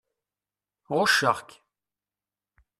Ɣucceɣ-k.